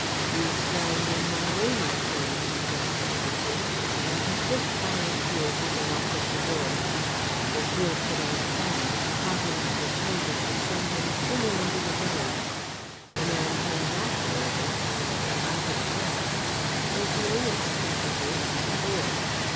"You stand in my way, my friend," said he, pleasantly, and he pushed by O'Toole to the lock of the door. O'Toole put out a hand, caught him by the shoulder, and sent him spinning into the road. The man came back, however, and though out of breath, spoke no less pleasantly than before.